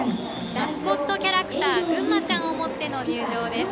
マスコットキャラクターぐんまちゃんを持っての入場です。